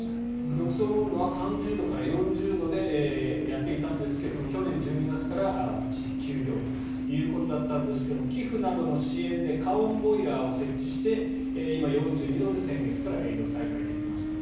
浴槽の温度は３０度から４０度でやっていたんですが去年１２月から一時休業ということなんですが寄付などの支援で加温ボイラーを設置して今、４２度で先月から営業再開できましたよ。